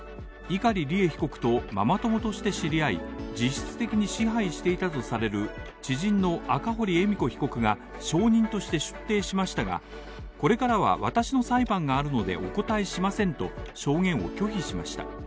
碇利恵被告とママ友として知り合い、実質的に支配していたとされる知人の赤堀恵美子被告が証人として出廷しましたが、これからは私の裁判があるのでお答えしませんと証言を拒否しました。